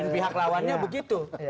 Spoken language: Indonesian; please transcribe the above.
pihak lawannya begitu